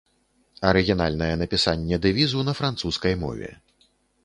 Арыгінальнае напісанне дэвізу на французскай мове.